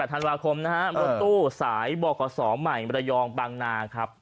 ๑๕๒๘ธันวาคมรถตู้สายบข๒ใหม่บรรยองปังนาครับ